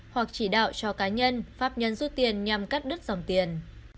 hoặc chỉ đạo cho cá nhân pháp nhân rút tiền nhằm cắt đứt dòng tiền